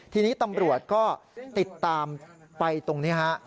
ทีนี้ตำรวจก็ติดตามไปตรงนี้ฮะ